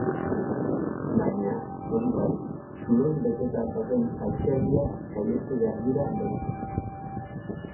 Baina, hori bai, zuloz beteta dauden galtzerdiak saihestu behar dira beti.